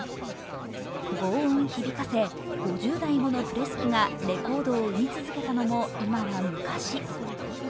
轟音響かせ、５０台ものプレス機がレコードを生み続けたのも今は昔。